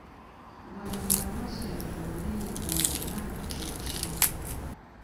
Gwe mu ndowooza yo olulimi Oluganda kye ki?